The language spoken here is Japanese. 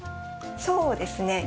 そうですね。